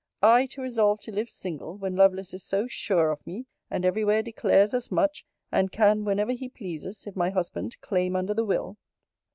I to resolve to live single, when Lovelace is so sure of me and every where declares as much! and can whenever he pleases, if my husband, claim under the will!